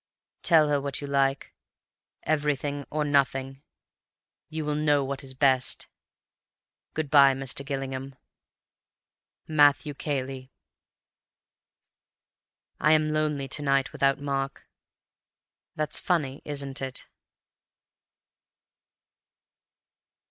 Tell her what you like. Everything or nothing. You will know what is best. Good bye, Mr. Gillingham. "MATTHEW CAYLEY. "I am lonely to night without Mark. That's funny, isn't it?"